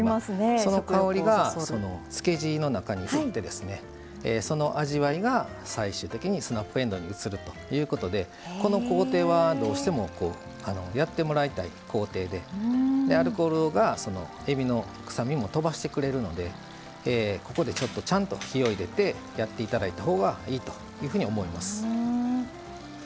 その香りがそのつけ地の中に移ってその味わいが最終的にスナップえんどうに移るということでこの工程はどうしてもやってもらいたい工程でアルコールがそのえびの臭みもとばしてくれるのでここでちょっとちゃんと火を入れてやっていただいたほうがいいというふうに思います。